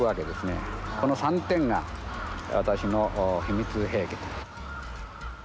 この３点が私の秘密兵器と。